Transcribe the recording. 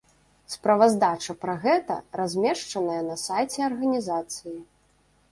Справаздача пра гэта размешчаная на сайце арганізацыі.